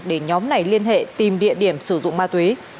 để nhóm này liên hệ tìm địa điểm sử dụng ma túy